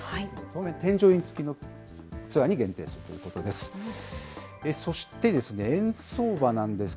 当面、添乗員付きのツアーに限定されるということです。